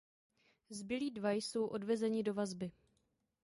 Zbylí dva jsou odvezeni do vazby.